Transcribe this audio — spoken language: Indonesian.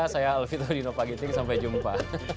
saya alvi taudino pagiting sampai jumpa